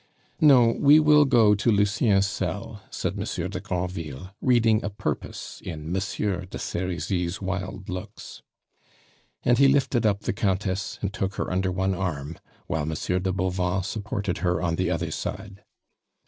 "No, we will go to Lucien's cell," said Monsieur de Granville, reading a purpose in Monsieur de Serizy's wild looks. And he lifted up the Countess, and took her under one arm, while Monsieur de Bauvan supported her on the other side.